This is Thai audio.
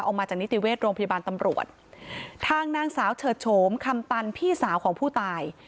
ออกมาจากนิติเวชโรงพยาบาลตำรวจทางนางสาวเฉิดโฉมคำตันพี่สาวของผู้ตาย